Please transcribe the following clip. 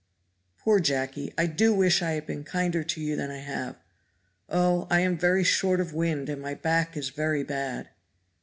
"Poor Jacky! I do wish I had been kinder to you than I have. Oh, I am very short of wind, and my back is very bad!"